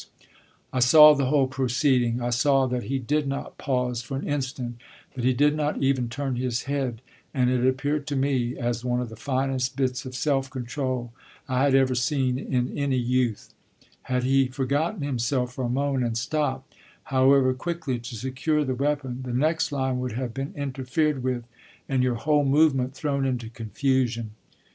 I saw the whole proceeding; I saw that he did not pause for an instant, that he did not even turn his head, and it appeared to me as one of the finest bits of self control I had ever seen in any youth; had he forgotten himself for a moment and stopped, however quickly, to secure the weapon, the next line would have been interfered with and your whole movement thrown into confusion."